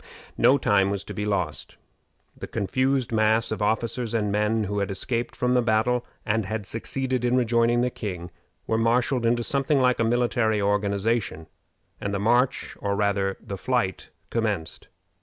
No time was to be lost. The confused mass of officers and men who had escaped from the battle, and had succeeded in rejoining the king, were marshaled into something like a military organization, and the march, or rather the flight, commenced.